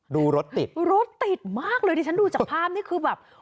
รถติดรถติดมากเลยที่ฉันดูจากภาพนี่คือแบบ